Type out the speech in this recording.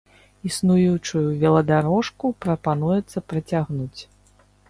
Існуючую веладарожку прапануецца працягнуць.